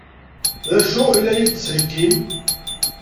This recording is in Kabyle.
D acu i la yi-d-tettheggim?